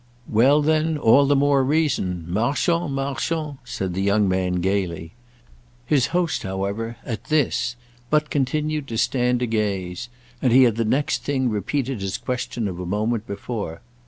"Well then all the more reason. Marchons, marchons!" said the young man gaily. His host, however, at this, but continued to stand agaze; and he had the next thing repeated his question of a moment before.